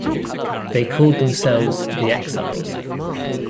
They called themselves the Exiles.